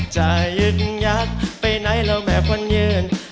ใจยึกยักไปไหนแล้วแม่พ่อนเยื่อน